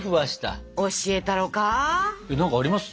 何かあります？